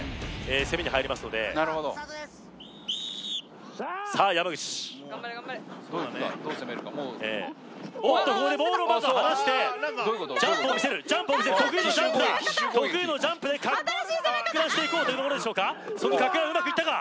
攻めに入りますのでなるほどさあ山口頑張れ頑張れどう攻めるかおっとここでボールをまず放してジャンプを見せるジャンプを見せる得意のジャンプだ得意のジャンプでかく乱していこうというところでしょうかそのかく乱うまくいったか